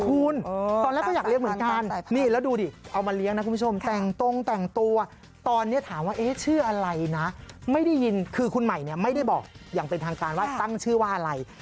คุณตอนแรกก็อยากเลี้ยงเหมือนกันนี่แล้วดูดิเอามาเลี้ยงนะคุณผู้ชมแต่งตรงแต่งตัวตอนนี้ถามว่าเอ๊ะชื่ออะไรนะไม่ได้ยินคือคุณใหม่เนี่ยไม่ได้บอกอย่างเป็นทางการว่าตั้งชื่อว่าอะไร